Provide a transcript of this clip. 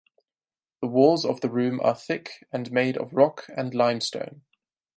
The walls of the room are thick and are made of rock and limestone.